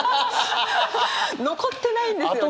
残ってないんですよね。